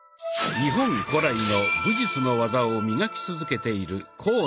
日本古来の武術の技を磨き続けている甲野